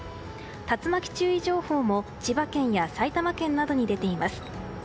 竜巻注意情報も千葉県や埼玉県などに出ています。